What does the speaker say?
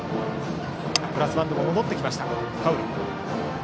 ブラスバンドも戻ってきました。